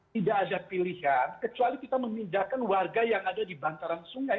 tidak ada pilihan kecuali kita memindahkan warga yang ada di bantaran sungai